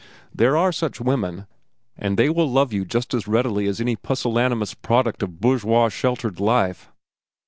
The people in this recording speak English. There are such women, and they will love you just as readily as any pusillanimous product of bourgeois sheltered life."